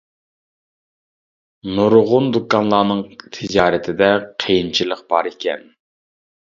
نۇرغۇن دۇكانلارنىڭ تىجارىتىدە قىيىنچىلىق بار ئىكەن.